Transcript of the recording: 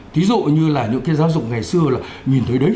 thí dụ như là những cái giáo dục ngày xưa là nhìn thấy đấy